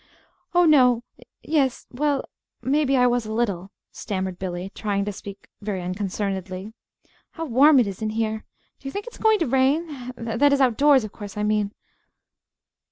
"Oh, no yes well, maybe I was, a little," stammered Billy, trying to speak very unconcernedly. "How warm it is in here! Do you think it's going to rain? that is, outdoors, of course, I mean."